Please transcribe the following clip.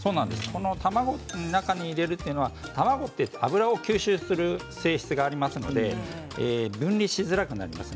卵に入れるのは卵は油を吸収する性質がありますので分離しづらくなります。